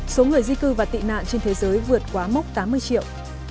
số người di cư và tị nạn trên thế giới vượt quá mốc tám mươi triệu